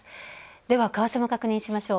では、為替も確認しましょう。